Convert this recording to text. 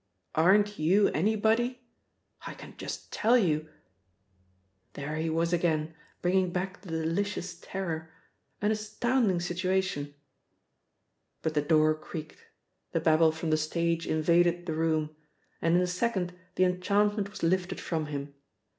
"Aren't you anybody? I can just tell you " There he was again, bringing back the delicious terror! An astounding situation! But the door creaked. The babble from the stage invaded the room. And in a second the enchantment was lifted from him.